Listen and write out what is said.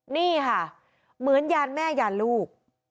นี่ค่ะเหมือนยานแม่ยานลูก